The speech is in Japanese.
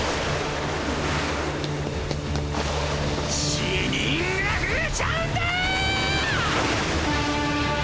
死人が増えちゃうんだァァ！